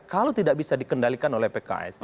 kalau tidak bisa dikendalikan oleh pks